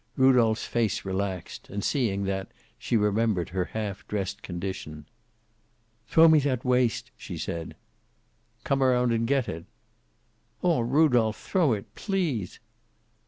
Rudolph's face relaxed, and seeing that, she remembered her half dressed condition. "Throw me that waist," she said. "Come around and get it." "Aw, Rudolph, throw it. Please!"